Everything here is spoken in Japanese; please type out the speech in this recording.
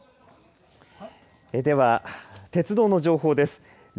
では、鉄道の情報です。